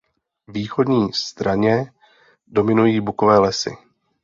Východní straně dominují bukové lesy.